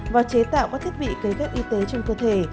và chế tạo các thiết bị cấy ghép y tế trong cơ thể